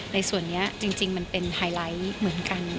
ในส่วนนี้จริงมันเป็นไฮไลท์เหมือนกัน